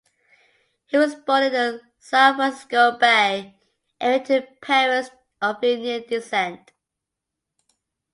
He was born in the San Francisco Bay area to parents of Indian descent.